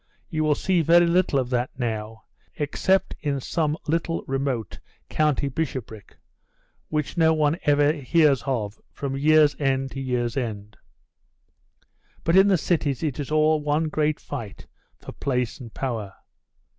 You will see very little of that now, except in some little remote county bishopric, which no one ever hears of from year's end to year's end. But in the cities it is all one great fight for place and power.